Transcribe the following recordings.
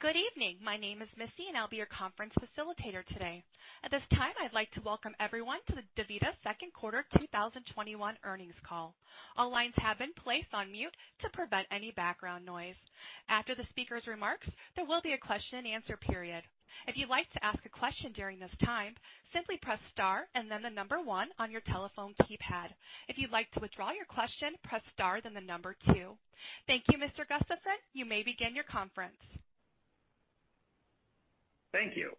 Good evening. My name is Missy, and I'll be your conference facilitator today. At this time, I'd like to welcome everyone to the DaVita Second Quarter 2021 Earnings Call. All lines have been placed on mute to prevent any background noise. After the speaker's remarks, there will be a question-and-answer period. If you'd like to ask a question during this time, simply press star and then the number one on your telephone keypad. If you'd like to withdraw your question, press star, then the number two. Thank you, Mr. Gustafson. You may begin your conference. Thank you.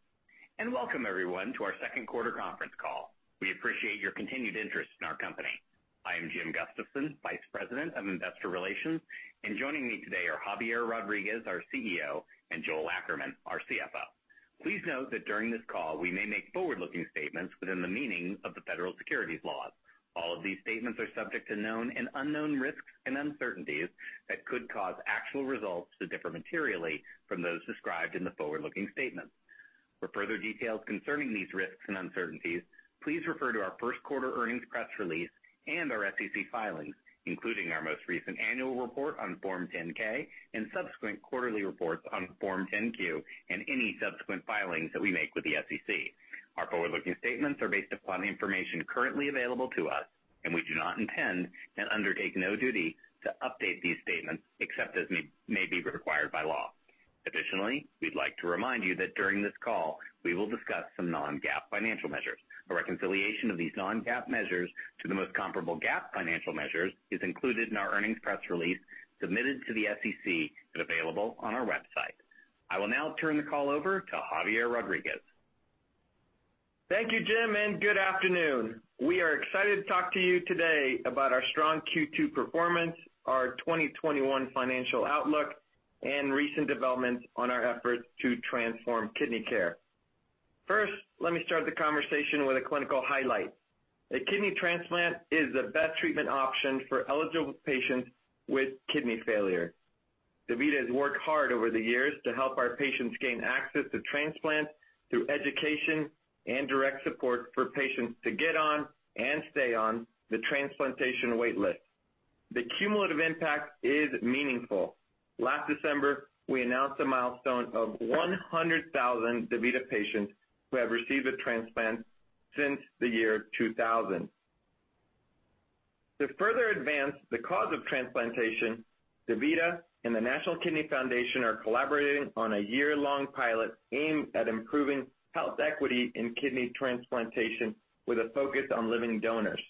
Welcome everyone to our second quarter conference call. We appreciate your continued interest in our company. I am Jim Gustafson, Vice President of Investor Relations, and joining me today are Javier Rodriguez, our CEO, and Joel Ackerman, our CFO. Please note that during this call, we may make forward-looking statements within the meaning of the federal securities laws. These statements are subject to known and unknown risks and uncertainties that could cause actual results to differ materially from those described in the forward-looking statements. For further details concerning these risks and uncertainties, please refer to our first quarter earnings press release and our SEC filings, including our most recent annual report on Form 10-K and subsequent quarterly reports on Form 10-Q and any subsequent filings that we make with the SEC. Our forward-looking statements are based upon the information currently available to us, and we do not intend and undertake no duty to update these statements except as may be required by law. Additionally, we'd like to remind you that during this call, we will discuss some non-GAAP financial measures. A reconciliation of these non-GAAP measures to the most comparable GAAP financial measures is included in our earnings press release submitted to the SEC and available on our website. I will now turn the call over to Javier Rodriguez. Thank you, Jim. Good afternoon. We are excited to talk to you today about our strong Q2 performance, our 2021 financial outlook, and recent developments on our efforts to transform kidney care. First, let me start the conversation with a clinical highlight. A kidney transplant is the best treatment option for eligible patients with kidney failure. DaVita has worked hard over the years to help our patients gain access to transplants through education and direct support for patients to get on and stay on the transplantation wait list. The cumulative impact is meaningful. Last December, we announced a milestone of 100,000 DaVita patients who have received a transplant since the year of 2000. To further advance the cause of transplantation, DaVita and the National Kidney Foundation are collaborating on a year-long pilot aimed at improving health equity in kidney transplantation, with a focus on living donors.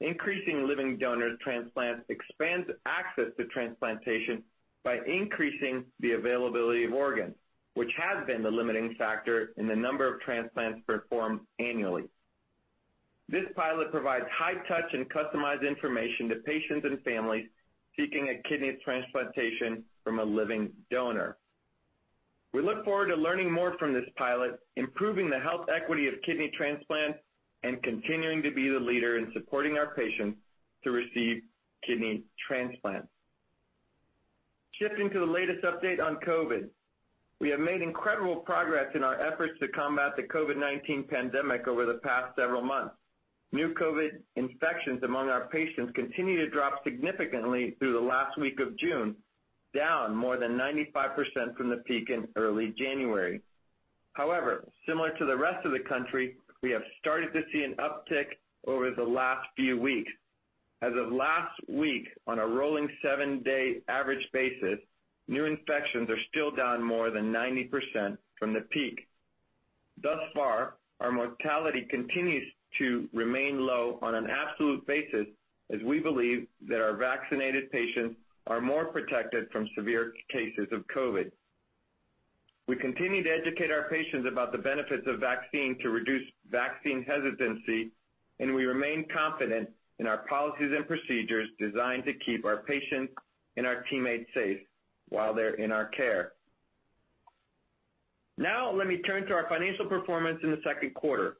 Increasing living donor transplants expands access to transplantation by increasing the availability of organs, which has been the limiting factor in the number of transplants performed annually. This pilot provides high touch and customized information to patients and families seeking a kidney transplantation from a living donor. We look forward to learning more from this pilot, improving the health equity of kidney transplants, and continuing to be the leader in supporting our patients to receive kidney transplants. Shifting to the latest update on COVID-19. We have made incredible progress in our efforts to combat the COVID-19 pandemic over the past several months. New COVID-19 infections among our patients continue to drop significantly through the last week of June, down more than 95% from the peak in early January. However, similar to the rest of the country, we have started to see an uptick over the last few weeks. As of last week, on a rolling seven-day average basis, new infections are still down more than 90% from the peak. Thus far, our mortality continues to remain low on an absolute basis as we believe that our vaccinated patients are more protected from severe cases of COVID. We continue to educate our patients about the benefits of vaccine to reduce vaccine hesitancy and we remain confident in our policies and procedures designed to keep our patients and our teammates safe while they're in our care. Now, let me turn to our financial performance in the second quarter.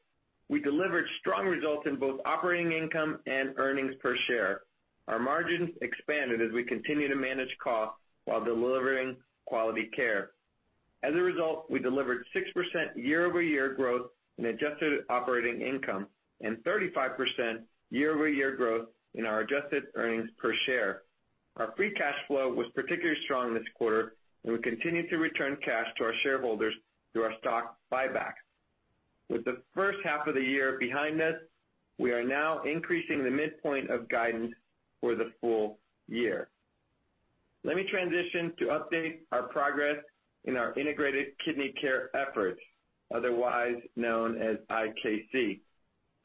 We delivered strong results in both operating income and earnings per share. Our margins expanded as we continue to manage costs while delivering quality care. As a result, we delivered 6% year-over-year growth in adjusted operating income and 35% year-over-year growth in our adjusted earnings per share. Our free cash flow was particularly strong this quarter. We continue to return cash to our shareholders through our stock buyback. With the first half of the year behind us, we are now increasing the midpoint of guidance for the full year. Let me transition to update our progress in our Integrated Kidney Care efforts, otherwise known as IKC.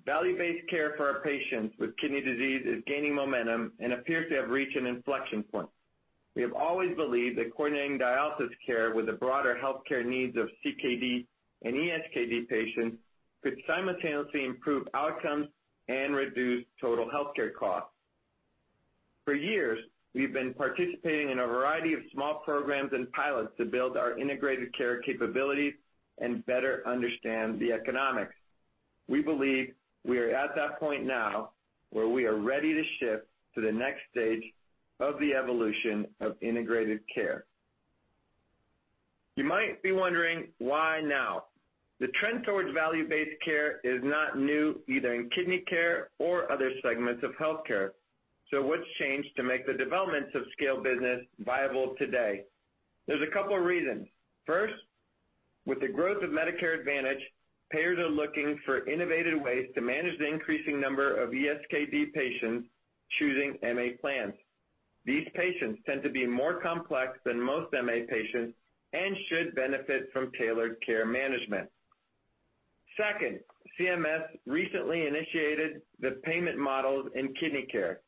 Value-based care for our patients with kidney disease is gaining momentum and appears to have reached an inflection point. We have always believed that coordinating dialysis care with the broader healthcare needs of CKD and ESKD patients could simultaneously improve outcomes and reduce total healthcare costs. For years, we've been participating in a variety of small programs and pilots to build our integrated care capabilities and better understand the economics. We believe we are at that point now where we are ready to shift to the next stage of the evolution of integrated care. You might be wondering why now? The trend towards value-based care is not new, either in kidney care or other segments of healthcare. What's changed to make the developments of scale business viable today? There's a couple of reasons. First, with the growth of Medicare Advantage, payers are looking for innovative ways to manage the increasing number of ESKD patients choosing MA plans. These patients tend to be more complex than most MA patients and should benefit from tailored care management. Second, CMS recently initiated the payment models in kidney care.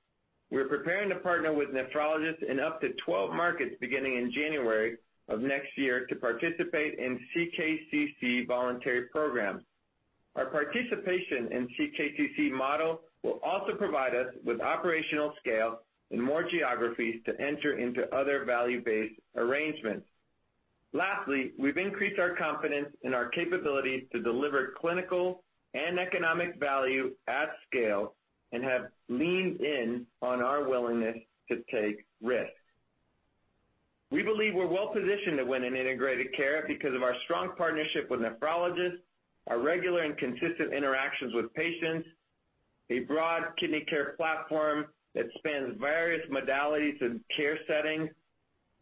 We're preparing to partner with nephrologists in up to 12 markets beginning in January of next year to participate in CKCC voluntary programs. Our participation in CKCC model will also provide us with operational scale and more geographies to enter into other value-based arrangements. Lastly, we've increased our confidence in our capability to deliver clinical and economic value at scale and have leaned in on our willingness to take risks. We believe we're well-positioned to win in integrated care because of our strong partnership with nephrologists, our regular and consistent interactions with patients, a broad kidney care platform that spans various modalities and care settings,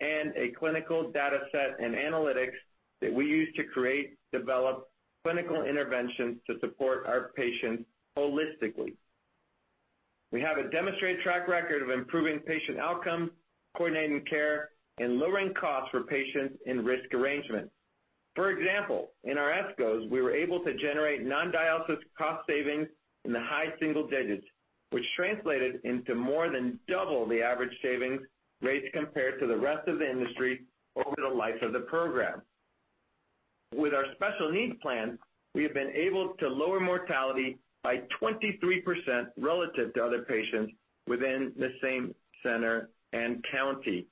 and a clinical data set and analytics that we use to create, develop clinical interventions to support our patients holistically. We have a demonstrated track record of improving patient outcomes, coordinating care, and lowering costs for patients in risk arrangements. For example, in our ESCOs, we were able to generate non-dialysis cost savings in the high single digits, which translated into more than double the average savings rates compared to the rest of the industry over the life of the program. With our special needs plan, we have been able to lower mortality by 23% relative to other patients within the same center and county.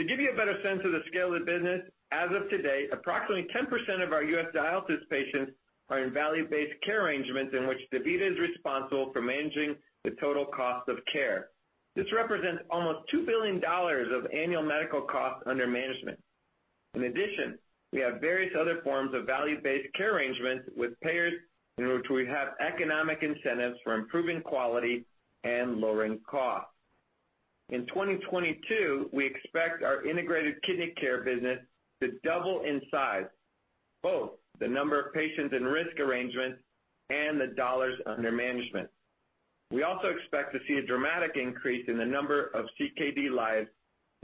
To give you a better sense of the scale of the business, as of today, approximately 10% of our U.S. dialysis patients are in value-based care arrangements in which DaVita is responsible for managing the total cost of care. This represents almost $2 billion of annual medical costs under management. In addition, we have various other forms of value-based care arrangements with payers in which we have economic incentives for improving quality and lowering costs. In 2022, we expect our Integrated Kidney Care business to double in size, both the number of patients in risk arrangements and the dollars under management. We also expect to see a dramatic increase in the number of CKD lives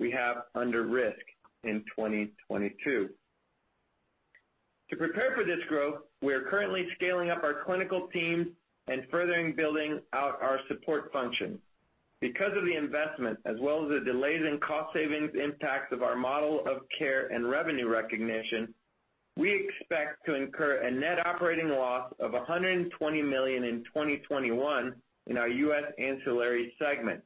we have under risk in 2022. To prepare for this growth, we are currently scaling up our clinical teams and furthering building out our support functions. Because of the investment as well as the delays in cost savings impacts of our model of care and revenue recognition, we expect to incur a net operating loss of $120 million in 2021 in our U.S. ancillary segment.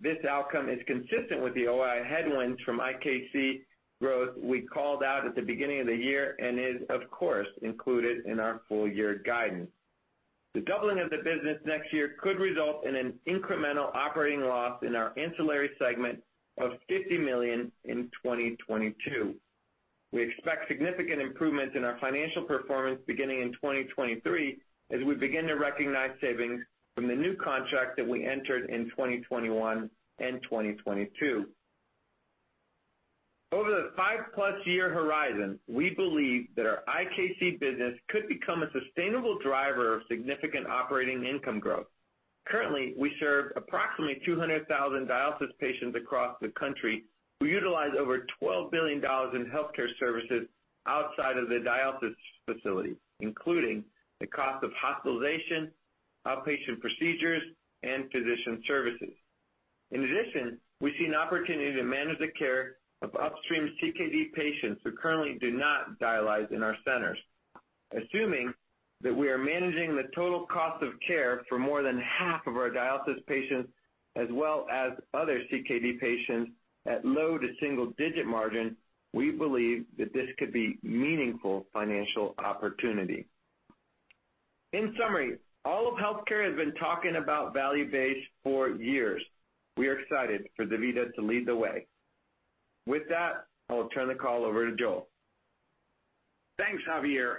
This outcome is consistent with the OI headwinds from IKC growth we called out at the beginning of the year and is, of course, included in our full-year guidance. The doubling of the business next year could result in an incremental operating loss in our ancillary segment of $50 million in 2022. We expect significant improvements in our financial performance beginning in 2023 as we begin to recognize savings from the new contract that we entered in 2021 and 2022. Over the 5+ year horizon, we believe that our IKC business could become a sustainable driver of significant operating income growth. Currently, we serve approximately 200,000 dialysis patients across the country who utilize over $12 billion in healthcare services outside of the dialysis facility, including the cost of hospitalization, outpatient procedures, and physician services. In addition, we see an opportunity to manage the care of upstream CKD patients who currently do not dialyze in our centers. Assuming that we are managing the total cost of care for more than half of our dialysis patients, as well as other CKD patients at low-to-single-digit margin, we believe that this could be meaningful financial opportunity. In summary, all of healthcare has been talking about value-based for years. We are excited for DaVita to lead the way. With that, I will turn the call over to Joel. Thanks, Javier.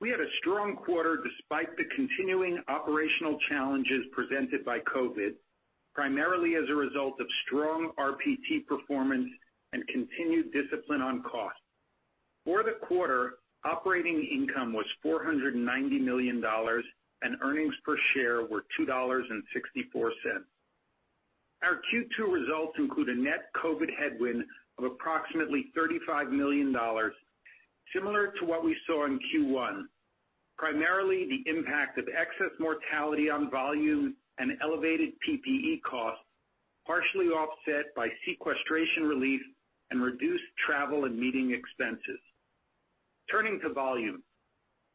We had a strong quarter despite the continuing operational challenges presented by COVID, primarily as a result of strong RPT performance and continued discipline on cost. For the quarter, operating income was $490 million, and earnings per share were $2.64. Our Q2 results include a net COVID headwind of approximately $35 million, similar to what we saw in Q1. Primarily, the impact of excess mortality on volume and elevated PPE costs, partially offset by sequestration relief and reduced travel and meeting expenses. Turning to volume.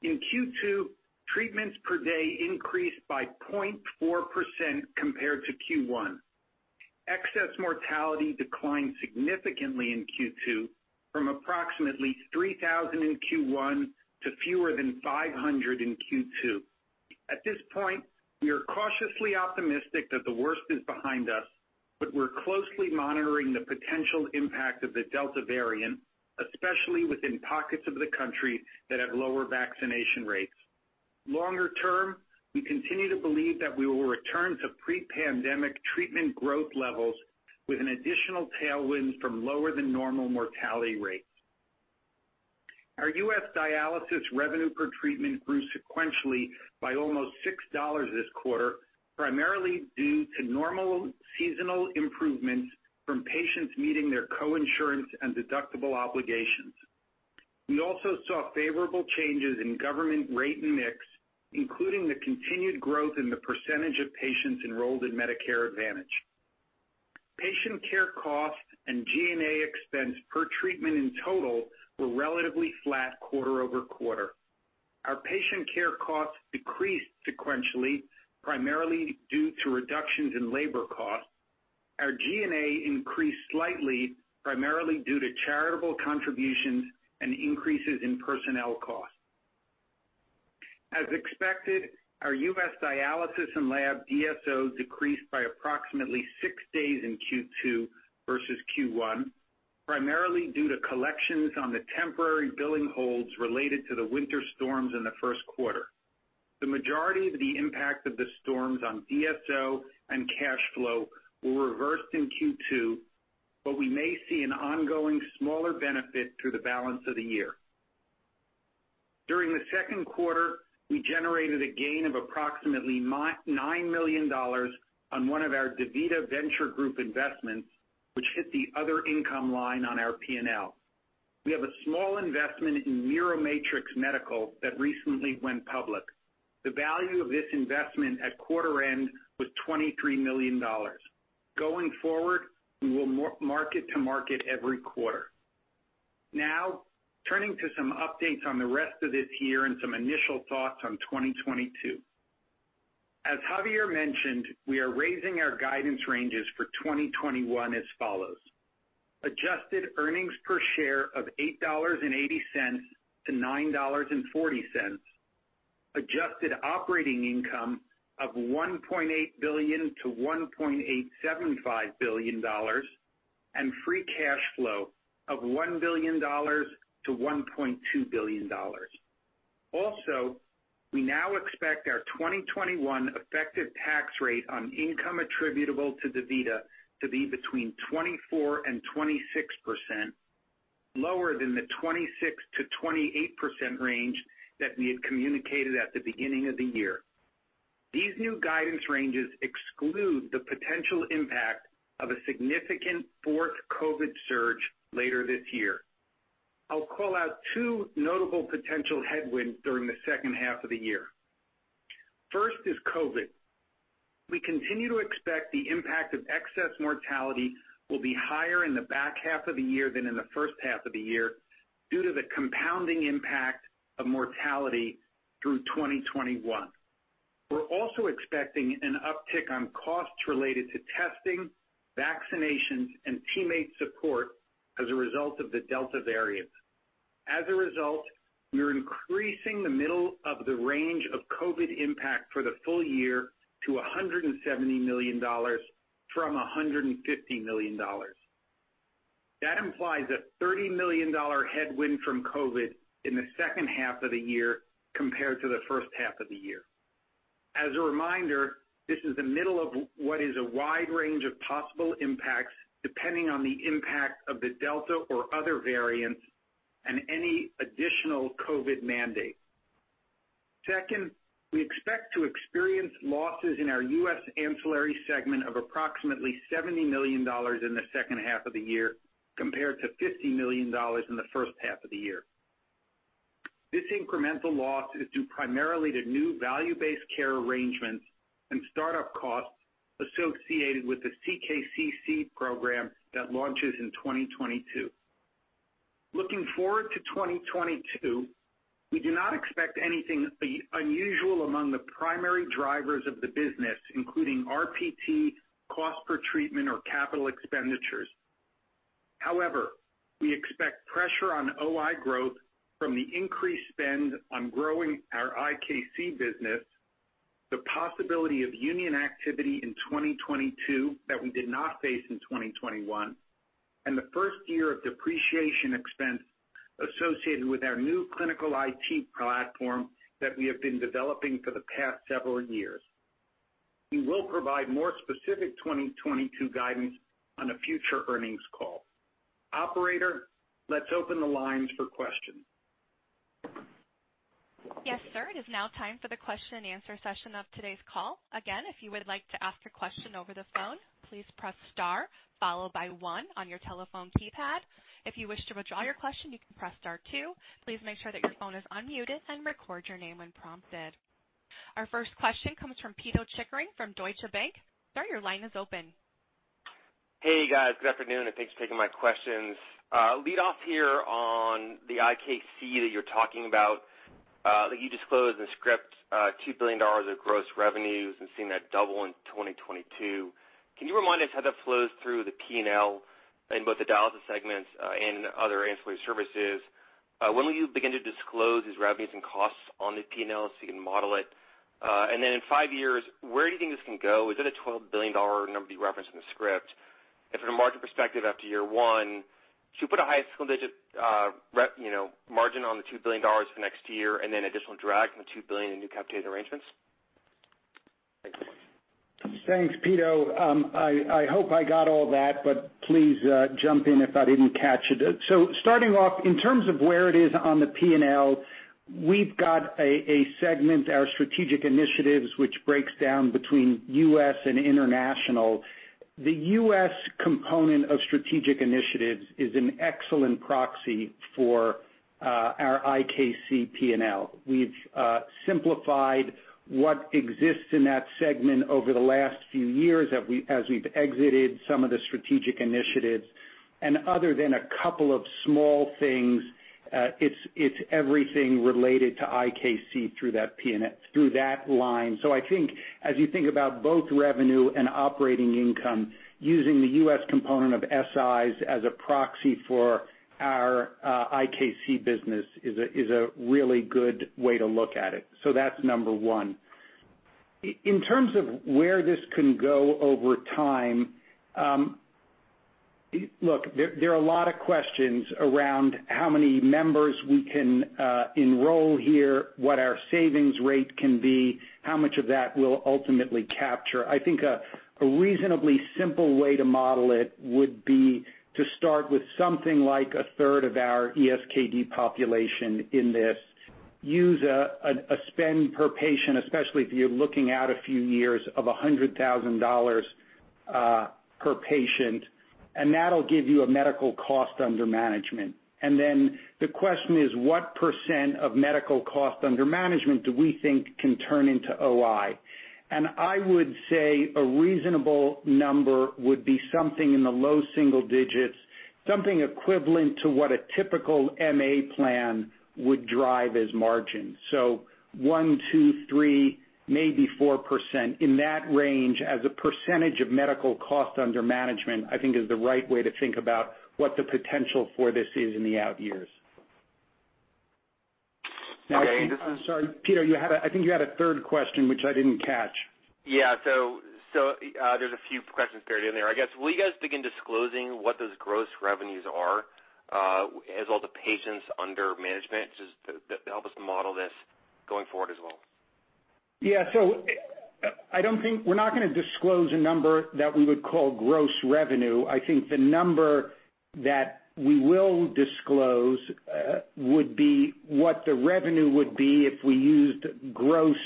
In Q2, treatments per day increased by 0.4% compared to Q1. Excess mortality declined significantly in Q2 from approximately 3,000 in Q1 to fewer than 500 in Q2. At this point, we are cautiously optimistic that the worst is behind us, but we're closely monitoring the potential impact of the Delta variant, especially within pockets of the country that have lower vaccination rates. Longer term, we continue to believe that we will return to pre-pandemic treatment growth levels with an additional tailwind from lower than normal mortality rates. Our U.S. dialysis revenue per treatment grew sequentially by almost $6 this quarter, primarily due to normal seasonal improvements from patients meeting their co-insurance and deductible obligations. We also saw favorable changes in government rate mix, including the continued growth in the percentage of patients enrolled in Medicare Advantage. Patient care costs and G&A expense per treatment in total were relatively flat quarter-over-quarter. Our patient care costs decreased sequentially, primarily due to reductions in labor costs. Our G&A increased slightly, primarily due to charitable contributions and increases in personnel costs. As expected, our U.S. dialysis and lab DSO decreased by approximately six days in Q2 versus Q1, primarily due to collections on the temporary billing holds related to the winter storms in the first quarter. The majority of the impact of the storms on DSO and cash flow were reversed in Q2, but we may see an ongoing smaller benefit through the balance of the year. During the second quarter, we generated a gain of approximately $9 million on one of our DaVita Venture Group investments, which hit the other income line on our P&L. We have a small investment in NeuroMatrix Medical that recently went public. The value of this investment at quarter-end was $23 million. Going forward, we will market-to-market every quarter. Now, turning to some updates on the rest of this year and some initial thoughts on 2022. As Javier mentioned, we are raising our guidance ranges for 2021 as follows. Adjusted earnings per share of $8.80-$9.40, adjusted operating income of $1.8 billion-$1.875 billion, and free cash flow of $1 billion-$1.2 billion. Also, we now expect our 2021 effective tax rate on income attributable to DaVita to be between 24% and 26%, lower than the 26%-28% range that we had communicated at the beginning of the year. These new guidance ranges exclude the potential impact of a significant fourth COVID surge later this year. I'll call out two notable potential headwinds during the second half of the year. First is COVID. We continue to expect the impact of excess mortality will be higher in the back half of the year than in the first half of the year due to the compounding impact of mortality through 2021. We're also expecting an uptick on costs related to testing, vaccinations, and teammate support as a result of the Delta variant. As a result, we are increasing the middle of the range of COVID impact for the full year to $170 million from $150 million. That implies a $30 million headwind from COVID in the second half of the year compared to the first half of the year. As a reminder, this is the middle of what is a wide range of possible impacts depending on the impact of the Delta or other variants and any additional COVID mandate. Second, we expect to experience losses in our U.S. ancillary segment of approximately $70 million in the second half of the year compared to $50 million in the first half of the year. This incremental loss is due primarily to new value-based care arrangements and start-up costs associated with the CKCC program that launches in 2022. Looking forward to 2022, we do not expect anything unusual among the primary drivers of the business, including RPT, cost per treatment, or capital expenditures. However, we expect pressure on OI growth from the increased spend on growing our IKC business, the possibility of union activity in 2022 that we did not face in 2021, and the first year of depreciation expense associated with our new clinical IT platform that we have been developing for the past several years. We will provide more specific 2022 guidance on a future earnings call. Operator, let's open the lines for questions. Yes, sir. It is now time for the question-and-answer session of today's call. Again, if you would like to ask a question over the phone, please press star followed by one on your telephone keypad. If you wish to withdraw your question, you can press star, two. Please make sure that your phone is unmuted, and record your name when prompted. Our first question comes from Pito Chickering from Deutsche Bank. Sir, your line is open. Hey, guys. Good afternoon. Thanks for taking my questions. Lead off here on the IKC that you're talking about, that you disclosed in script $2 billion of gross revenues and seeing that double in 2022. Can you remind us how that flows through the P&L in both the dialysis segments and other ancillary services? When will you begin to disclose these revenues and costs on the P&L so you can model it? In five years, where do you think this can go? Is it a $12 billion number you referenced in the script? From a margin perspective after year one, should we put a high-single-digit margin on the $2 billion for next year and then additional drag from the $2 billion in new capitated arrangements? Thanks. Thanks, Pito. I hope I got all that, but please jump in if I didn't catch it. Starting off, in terms of where it is on the P&L, we've got a segment, our strategic initiatives, which breaks down between U.S. and international. The U.S. component of strategic initiatives is an excellent proxy for our IKC P&L. We've simplified what exists in that segment over the last few years as we've exited some of the strategic initiatives. And other than a couple of small things, it's everything related to IKC through that line. I think as you think about both revenue and operating income, using the U.S. component of SIs as a proxy for our IKC business is a really good way to look at it. That's number one. In terms of where this can go over time, look, there are a lot of questions around how many members we can enroll here, what our savings rate can be, how much of that we'll ultimately capture. I think a reasonably simple way to model it would be to start with something like a third of our ESKD population in this. Use a spend per patient, especially if you're looking out a few years, of $100,000 per patient, and that'll give you a medical cost under management. The question is, what % of medical cost under management do we think can turn into OI? And I would say a reasonable number would be something in the low-single-digit, something equivalent to what a typical MA plan would drive as margin. 1%, 2%, 3%, maybe 4% in that range as a percentage of medical cost under management, I think is the right way to think about what the potential for this is in the out years. Okay. I'm sorry, Pito, I think you had a third question, which I didn't catch. Yeah. There's a few questions buried in there. I guess, will you guys begin disclosing what those gross revenues are as all the patients under management, just to help us model this going forward as well? Yeah, so, I don't think, we're not going to disclose a number that we would call gross revenue. I think the number that we will disclose would be what the revenue would be if we used gross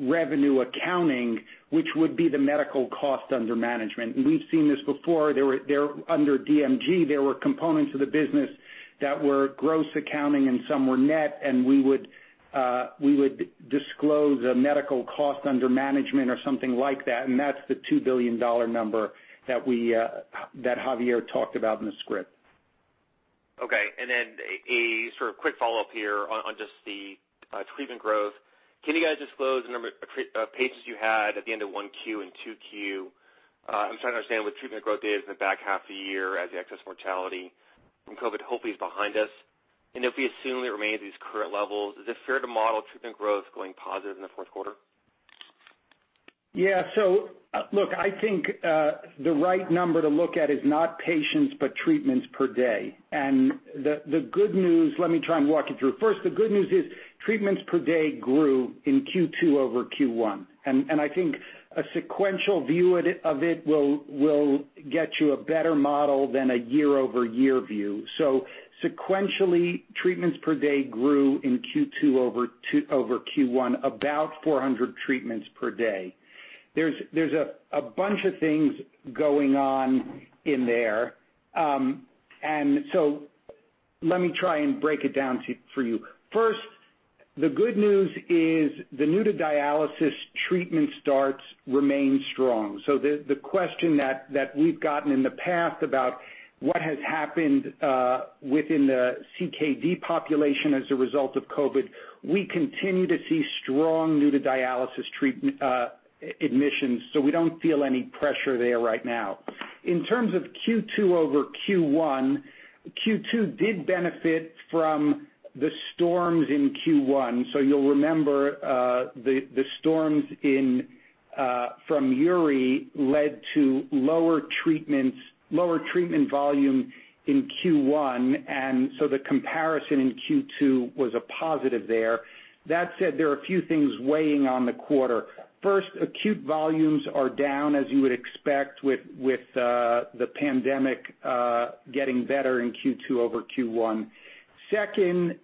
revenue accounting, which would be the medical cost under management. We've seen this before. Under DMG, there were components of the business that were gross accounting, and some were net, and we would disclose a medical cost under management or something like that, and that's the $2 billion number that Javier talked about in the script. Okay. A sort of quick follow-up here on just the treatment growth. Can you guys disclose the number of patients you had at the end of 1Q and 2Q? I'm trying to understand what treatment growth is in the back half of the year as the excess mortality from COVID hopefully is behind us. If we assume it remains at these current levels, is it fair to model treatment growth going positive in the fourth quarter? Yeah. Look, I think, the right number to look at is not patients, but treatments per day. The good news, let me try and walk you through. First, the good news is treatments per day grew in Q2 over Q1, and I think a sequential view of it will get you a better model than a year-over-year view. Sequentially, treatments per day grew in Q2 over Q1, about 400 treatments per day. There's a bunch of things going on in there. Let me try and break it down for you. First, the good news is the new-to-dialysis treatment starts remain strong. The question that we've gotten in the past about what has happened within the CKD population as a result of COVID, we continue to see strong new-to-dialysis treatment admissions, so we don't feel any pressure there right now. In terms of Q2 over Q1, Q2 did benefit from the storms in Q1. You'll remember, the storms from Uri led to lower treatment volume in Q1, and so the comparison in Q2 was a positive there. That said, there are a few things weighing on the quarter. First, acute volumes are down as you would expect with the pandemic getting better in Q2 over Q1. Second,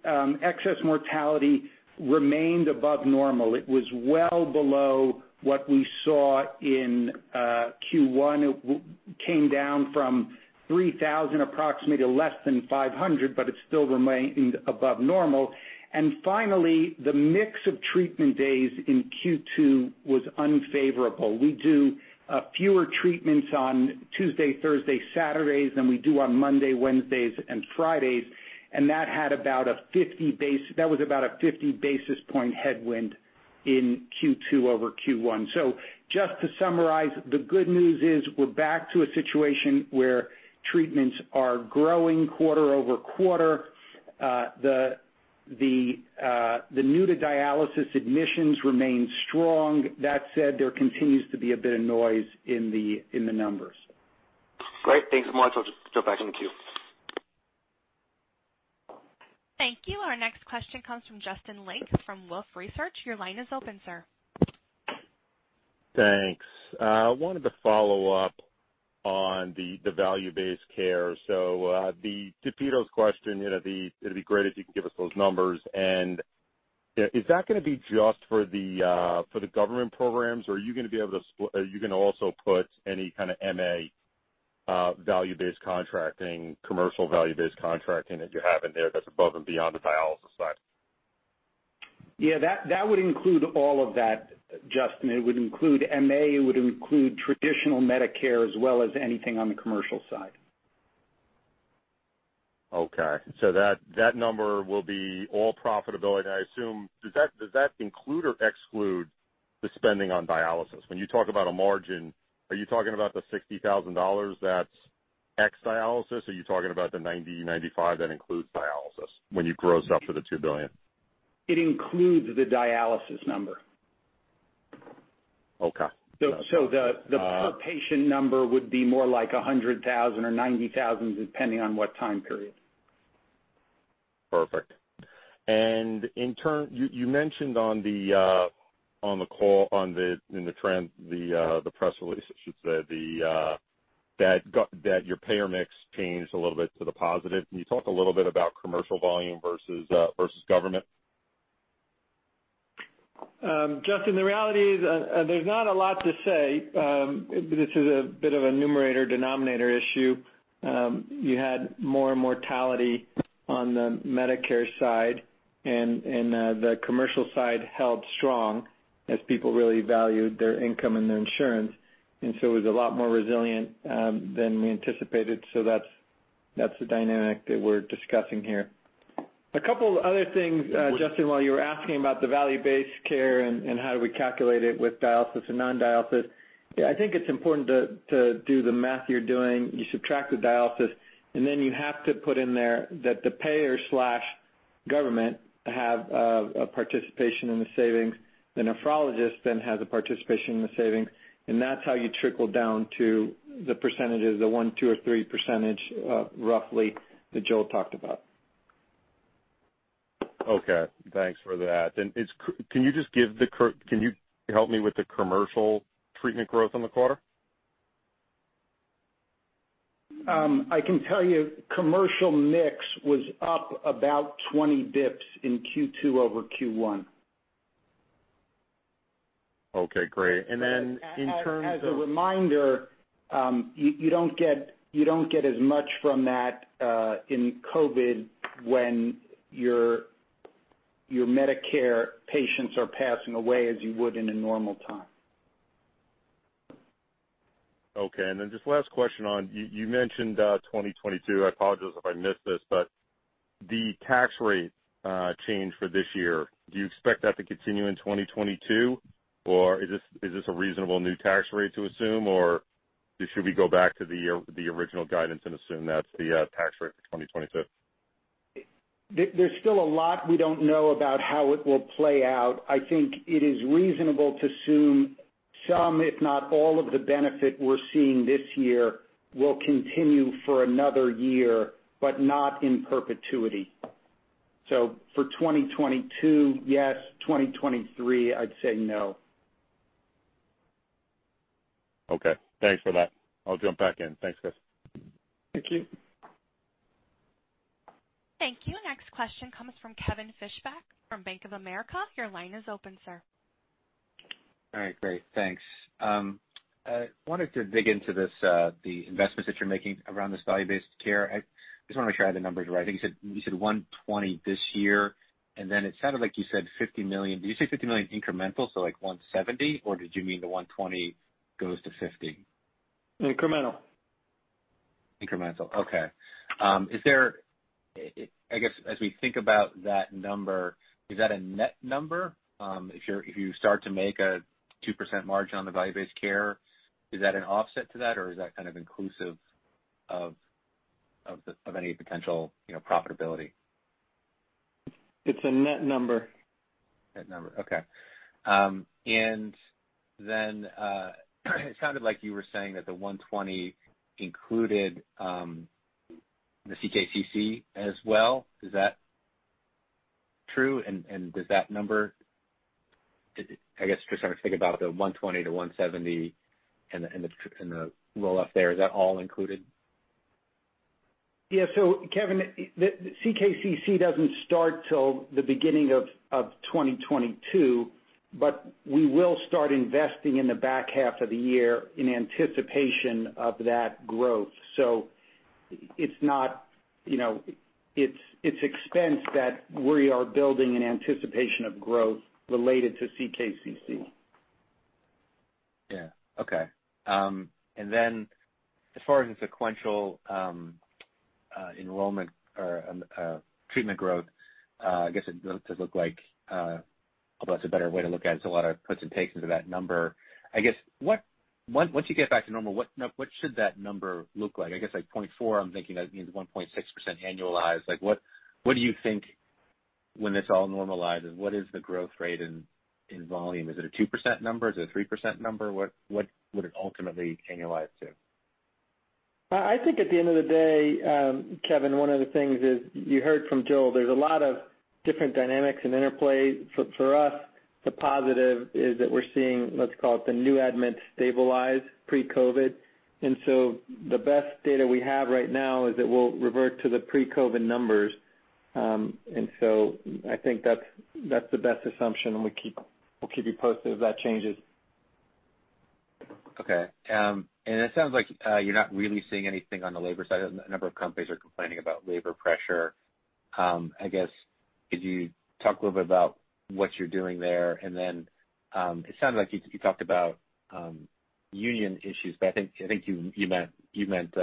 excess mortality remained above normal. It was well below what we saw in Q1. It came down from 3,000 approximately to less than 500, but it still remained above normal. Finally, the mix of treatment days in Q2 was unfavorable. We do fewer treatments on Tuesday, Thursday, Saturdays than we do on Monday, Wednesdays, and Fridays, and that was about a 50 basis point headwind in Q2 over Q1. Just to summarize, the good news is we're back to a situation where treatments are growing quarter-over-quarter. The, the new-to-dialysis admissions remain strong. That said, there continues to be a bit of noise in the numbers. Great. Thanks so much. I'll just jump back in the queue. Thank you. Our next question comes from Justin Lake from Wolfe Research. Your line is open, sir. Thanks. I wanted to follow up on the value-based care. To Pito's question, it'd be great if you could give us those numbers. Is that going to be just for the government programs, or are you going to also put any kind of MA value-based contracting, commercial value-based contracting that you have in there that's above and beyond the dialysis side? Yeah, that would include all of that, Justin. It would include MA, it would include traditional Medicare, as well as anything on the commercial side. That number will be all profitability, I assume. Does that include or exclude the spending on dialysis? When you talk about a margin, are you talking about the $60,000 that's ex-dialysis, or are you talking about the 90, 95 that includes dialysis when you gross up for the $2 billion? It includes the dialysis number. Okay. The per-patient number would be more like $100,000 or $90,000, depending on what time period. Perfect. And in terms, you mentioned on the call, in the press release, I should say, that your payer mix changed a little bit to the positive. Can you talk a little bit about commercial volume versus government? Justin, the reality is there's not a lot to say. This is a bit of a numerator/denominator issue. You had more mortality on the Medicare side, and the commercial side held strong as people really valued their income and their insurance. It was a lot more resilient than we anticipated, so that's the dynamic that we're discussing here. A couple other things, Justin, while you were asking about the value-based care and how do we calculate it with dialysis and non-dialysis, I think it's important to do the math you're doing. You subtract the dialysis, and then you have to put in there that the payer slash government have a participation in the savings. The nephrologist then has a participation in the savings, and that's how you trickle down to the percentages, the 1, 2 or 3 percentage, roughly, that Joel talked about. Okay, thanks for that. Can you help me with the commercial treatment growth on the quarter? I can tell you commercial mix was up about 20 bps in Q2 over Q1. Okay, great. And then, in terms of- As a reminder, you don't get as much from that in COVID when your Medicare patients are passing away as you would in a normal time. Okay. And then, just last question on, you mentioned 2022. I apologize if I missed this, but the tax rate change for this year, do you expect that to continue in 2022? Is this a reasonable new tax rate to assume, or should we go back to the original guidance and assume that's the tax rate for 2022? There's still a lot we don't know about how it will play out. I think it is reasonable to assume some, if not all of the benefit we're seeing this year will continue for another year, but not in perpetuity. For 2022, yes. 2023, I'd say no. Okay. Thanks for that. I'll jump back in. Thanks, guys. Thank you. Thank you. Next question comes from Kevin Fischbeck from Bank of America. Your line is open, sir. All right, great. Thanks. I wanted to dig into this, the investments that you're making around this value-based care. I just want to make sure I have the numbers right. I think you said $120 million this year, and then it sounded like you said $50 million. Did you say $50 million incremental, so like $170 million, or did you mean the $120 million goes to $50 million? Incremental. Incremental. Okay. I guess as we think about that number, is that a net number? If you start to make a 2% margin on the value-based care, is that an offset to that, or is that kind of inclusive of any potential profitability? It's a net number. Net number. Okay. It sounded like you were saying that the $120 million included the CKCC as well. Is that true? Does that number, I guess, just trying to think about the $120 million to $170 million and the roll-off there, is that all included? Yeah. Kevin, CKCC doesn't start till the beginning of 2022, but we will start investing in the back half of the year in anticipation of that growth. It's not, you know, it's expense that we are building in anticipation of growth related to CKCC. Yeah. Okay. And then, as far as the sequential enrollment or treatment growth, I guess it does look like Although that's a better way to look at it's a lot of puts and takes into that number. I guess, once you get back to normal, what should that number look like? I guess like 0.4, I'm thinking that means 1.6% annualized. What do you think when this all normalizes, what is the growth rate in volume? Is it a 2% number? Is it a 3% number? What would it ultimately annualize to? I think at the end of the day, Kevin, one of the things is, you heard from Joel, there's a lot of different dynamics in interplay. For us, the positive is that we're seeing, let's call it the new admit stabilize pre-COVID. The best data we have right now is it will revert to the pre-COVID numbers. I think that's the best assumption, and we'll keep you posted if that changes. Okay. It sounds like you're not really seeing anything on the labor side. A number of companies are complaining about labor pressure. I guess, could you talk a little bit about what you're doing there? Then, it sounded like you talked about union issues, but I think you meant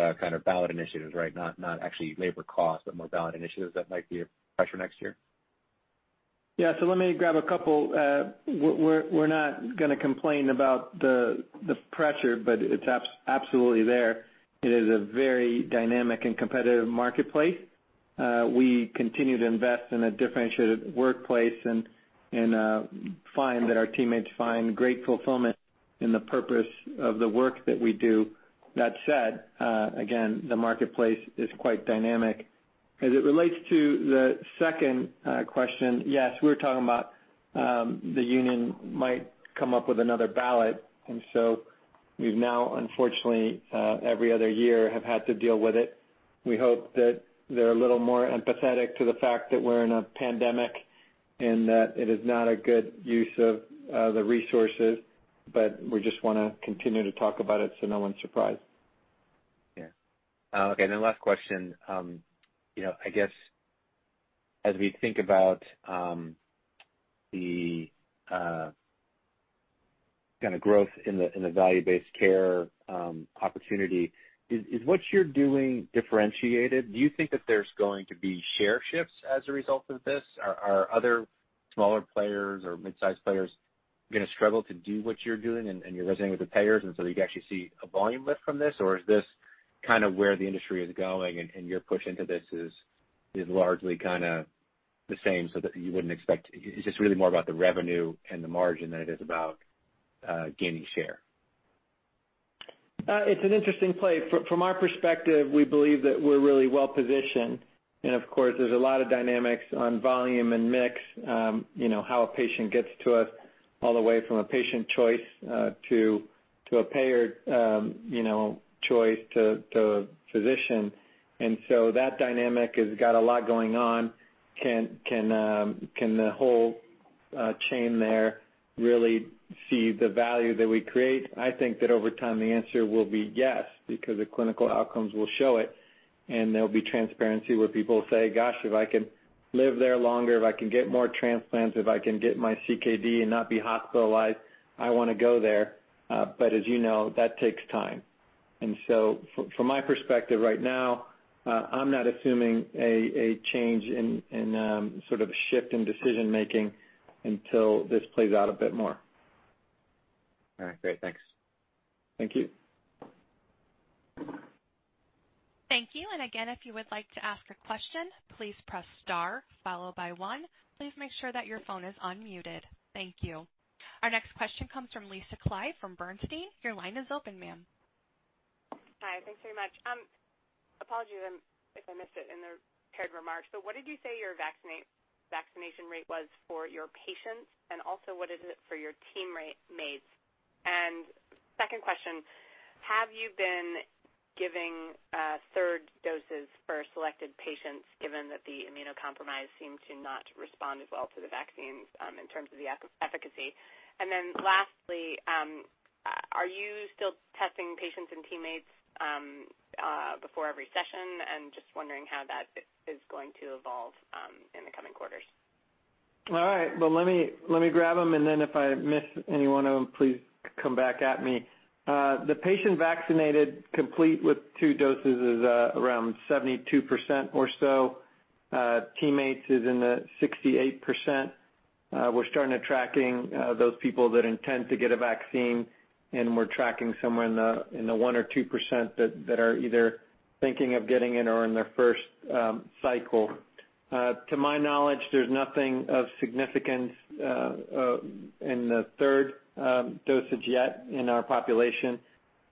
ballot initiatives, right? Not actually labor costs, but more ballot initiatives that might be a pressure next year. Yeah. Let me grab a couple. We're not gonna complain about the pressure, it's absolutely there. It is a very dynamic and competitive marketplace. We continue to invest in a differentiated workplace and find that our teammates find great fulfillment in the purpose of the work that we do. That said, again, the marketplace is quite dynamic. As it relates to the second question, yes, we're talking about the union might come up with another ballot, we've now, unfortunately, every other year, have had to deal with it. We hope that they're a little more empathetic to the fact that we're in a pandemic and that it is not a good use of the resources, we just want to continue to talk about it so no one's surprised. Yeah. Okay, last question. I guess as we think about the kind of growth in the value-based care opportunity, is what you're doing differentiated? Do you think that there's going to be share shifts as a result of this? Are other smaller players or mid-size players going to struggle to do what you're doing and you're resonating with the payers, and so do you actually see a volume lift from this? Is this kind of where the industry is going, and your push into this is largely the same, so that you wouldn't expect? Is this really more about the revenue and the margin than it is about gaining share? It's an interesting play. From our perspective, we believe that we're really well-positioned, of course, there's a lot of dynamics on volume and mix, how a patient gets to us all the way from a patient choice to a payer choice to physician. That dynamic has got a lot going on. Can the whole chain there really see the value that we create? I think that over time, the answer will be yes, because the clinical outcomes will show it, and there'll be transparency where people say, "Gosh, if I can live there longer, if I can get more transplants, if I can get my CKD and not be hospitalized, I want to go there." But as you know, that takes time. From my perspective right now, I'm not assuming a change in sort of shift in decision making until this plays out a bit more. All right. Great. Thanks. Thank you. Thank you. And again, if you would like to ask a question, please press star followed by one. Please make sure your phone is unmuted. Thank you. Our next question comes from Lisa Clive from Bernstein. Your line is open, ma'am. Hi. Thanks very much. Apologies if I missed it in the prepared remarks, what did you say your vaccination rate was for your patients, and also what is it for your teammates? Second question, have you been giving third doses for selected patients given that the immunocompromised seem to not respond as well to the vaccines in terms of the efficacy? And then lastly, are you still testing patients and teammates before every session? I'm just wondering how that is going to evolve in the coming quarters. All right. Well, let me grab them, and then if I miss any one of them, please come back at me. The patient vaccinated complete with two doses is around 72% or so. Teammates is in the 68%. We're starting to tracking those people that intend to get a vaccine, and we're tracking somewhere in the 1% or 2% that are either thinking of getting it or in their first cycle. To my knowledge, there's nothing of significance in the third dosage yet in our population.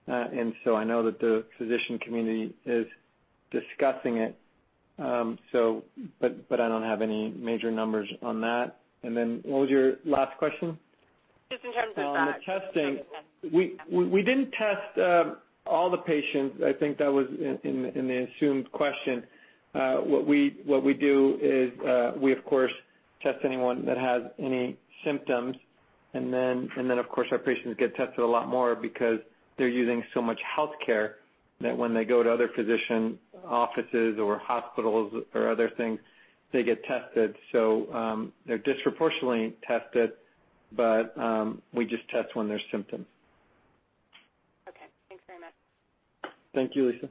I know that the physician community is discussing it. I don't have any major numbers on that. What was your last question? Just in terms of the- On the testing, we didn't test all the patients. I think that was in the assumed question. What we do is we of course test anyone that has any symptoms. Then of course our patients get tested a lot more because they're using so much healthcare that when they go to other physician offices or hospitals or other things, they get tested. They're disproportionately tested, but we just test when there's symptoms. Okay. Thanks very much. Thank you, Lisa.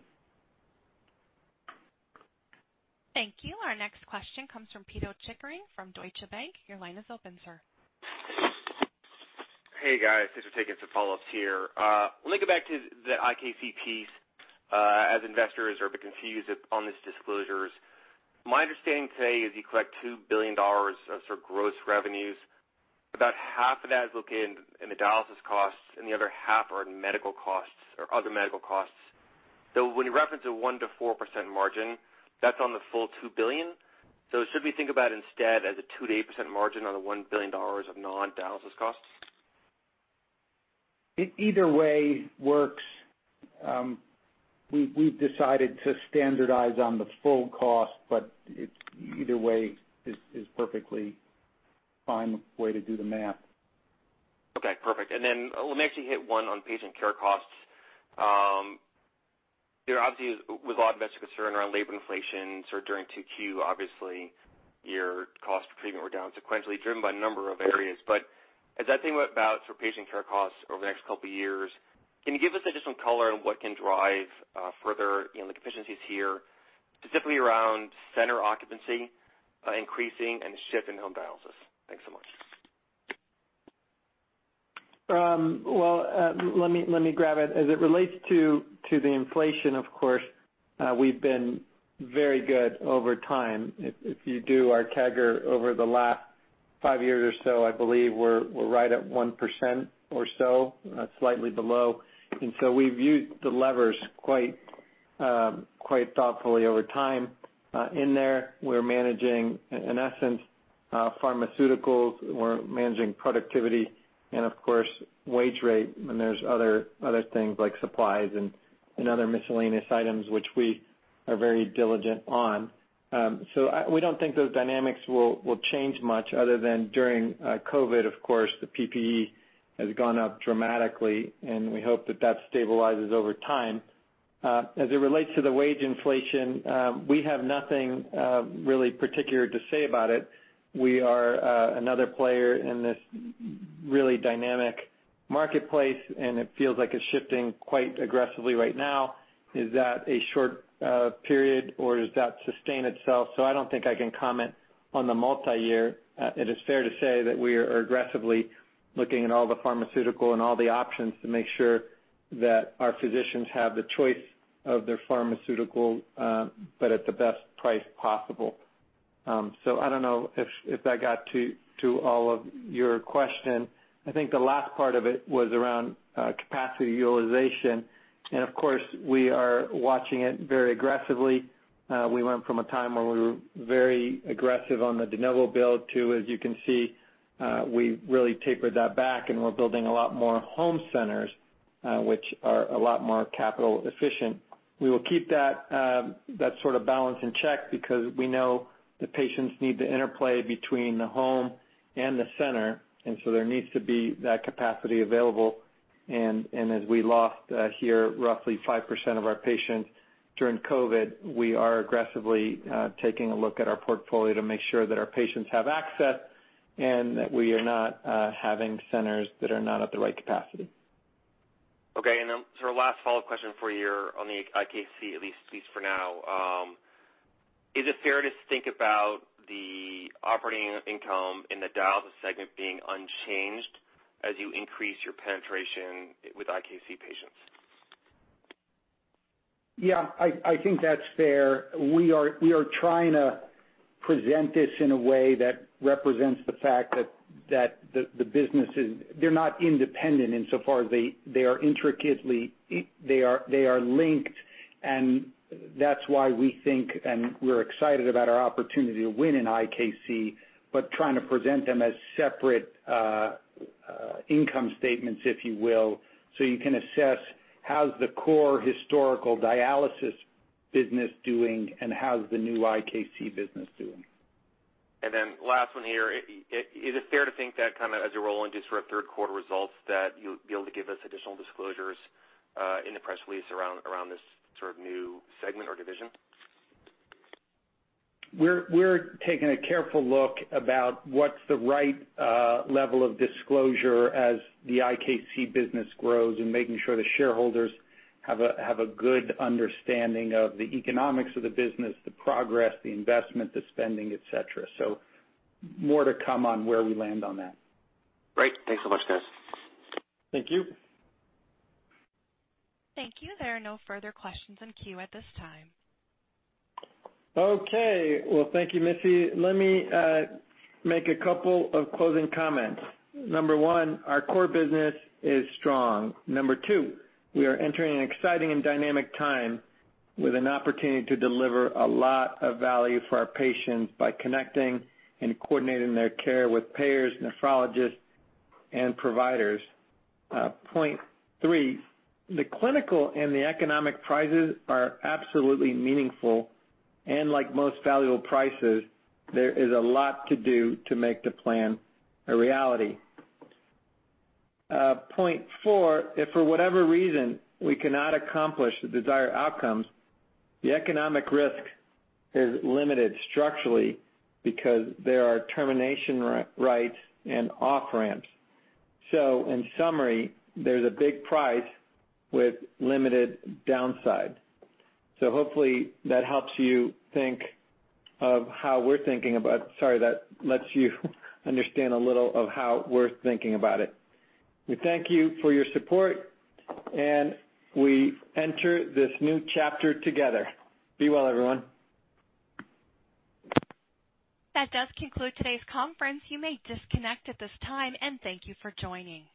Thank you. Our next question comes from Pito Chickering from Deutsche Bank. Your line is open, sir. Hey, guys. Just taking some follow-ups here. Let me go back to the IKC piece. Investors are a bit confused on these disclosures, my understanding today is you collect $2 billion of sort of gross revenues. About half of that is located in the dialysis costs, and the other half are in medical costs or other medical costs. When you reference a 1%-4% margin, that's on the full $2 billion. Should we think about instead as a 2%-8% margin on the $1 billion of non-dialysis costs? Either way works. We've decided to standardize on the full cost, but either way is perfectly fine way to do the math. Okay, perfect. Let me actually hit one on patient care costs. There obviously is a lot of investor concern around labor inflation sort of during 2Q. Obviously, your cost of treatment were down sequentially, driven by a number of areas. As I think about sort of patient care costs over the next couple of years, can you give us additional color on what can drive further in the efficiencies here, specifically around center occupancy increasing and shift in home dialysis? Thanks so much. Let me grab it. As it relates to the inflation, of course, we've been very good over time. If you do our CAGR over the last five years or so, I believe we're right at 1% or so, slightly below. We've used the levers quite thoughtfully over time. In there, we're managing, in essence, pharmaceuticals. We're managing productivity and, of course, wage rate. There's other things like supplies and other miscellaneous items, which we are very diligent on. We don't think those dynamics will change much other than during COVID, of course. The PPE has gone up dramatically, and we hope that that stabilizes over time. As it relates to the wage inflation, we have nothing really particular to say about it. We are another player in this really dynamic marketplace, and it feels like it's shifting quite aggressively right now. Is that a short period, or does that sustain itself? I don't think I can comment on the multi-year. It is fair to say that we are aggressively looking at all the pharmaceutical and all the options to make sure that our physicians have the choice of their pharmaceutical but at the best price possible. I don't know if that got to all of your question. I think the last part of it was around capacity utilization. Of course, we are watching it very aggressively. We went from a time where we were very aggressive on the de novo build to, as you can see, we really tapered that back, and we're building a lot more home centers, which are a lot more capital efficient. We will keep that sort of balance in check because we know the patients need the interplay between the home and the center, and so there needs to be that capacity available. As we lost here roughly 5% of our patients during COVID-19, we are aggressively taking a look at our portfolio to make sure that our patients have access and that we are not having centers that are not at the right capacity. Okay. Sort of last follow-up question for you on the IKC, at least for now. Is it fair to think about the operating income in the dialysis segment being unchanged as you increase your penetration with IKC patients? Yeah, I think that's fair. We are trying to present this in a way that represents the fact that the businesses, they're not independent insofar as they are intricately linked, and that's why we think, and we're excited about our opportunity to win in IKC, but trying to present them as separate income statements, if you will, so you can assess how's the core historical dialysis business doing, and how's the new IKC business doing. And then last one here. Is it fair to think that kind of as you roll into sort of third quarter results, that you'll be able to give us additional disclosures in the press release around this sort of new segment or division? We're taking a careful look about what's the right level of disclosure as the IKC business grows and making sure the shareholders have a good understanding of the economics of the business, the progress, the investment, the spending, et cetera. More to come on where we land on that. Great. Thanks so much, guys. Thank you. Thank you. There are no further questions in queue at this time. Okay. Well, thank you, Missy. Let me make a couple of closing comments. Number one, our core business is strong. Number two, we are entering an exciting and dynamic time with an opportunity to deliver a lot of value for our patients by connecting and coordinating their care with payers, nephrologists, and providers. Point three, the clinical and the economic prizes are absolutely meaningful, and like most valuable prizes, there is a lot to do to make the plan a reality. Point four, if for whatever reason we cannot accomplish the desired outcomes, the economic risk is limited structurally because there are termination rights and off-ramps. In summary, there's a big prize with limited downside. Hopefully, that helps you think of how we're thinking about, sorry, that lets you understand a little of how we're thinking about it. We thank you for your support, and we enter this new chapter together. Be well, everyone. That does conclude today's conference. You may disconnect at this time, and thank you for joining.